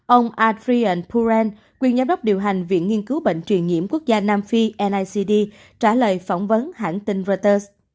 ông adrian puren quyền giám đốc điều hành viện nghiên cứu bệnh truyền nhiễm quốc gia nam phi aicd trả lời phỏng vấn hãng tin reuters